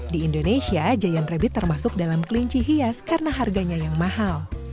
di indonesia giant rabbit termasuk dalam kelinci hias karena harganya yang mahal